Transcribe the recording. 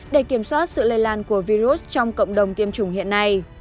để kiểm soát sự lây lan của virus trong cộng đồng tiêm chủng hiện nay